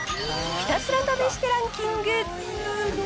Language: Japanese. ひたすら試してランキング。